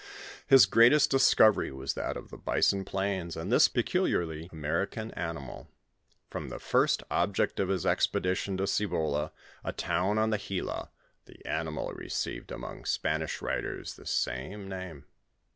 His greatest discovery was that of the bison plains, and this peculiarly American animal From the first object of his expedition Cibola, a town on tlie Gilo, the animal received among Span ish writers the same name.